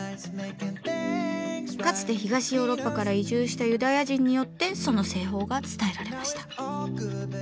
かつて東ヨーロッパから移住したユダヤ人によってその製法が伝えられました。